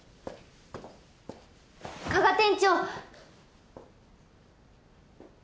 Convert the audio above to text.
加賀店長！